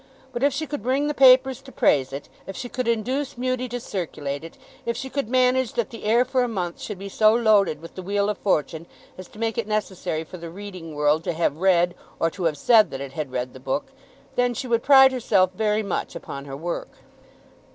But if she could bring the papers to praise it, if she could induce Mudie to circulate it, if she could manage that the air for a month should be so loaded with "The Wheel of Fortune," as to make it necessary for the reading world to have read or to have said that it had read the book, then she would pride herself very much upon her work.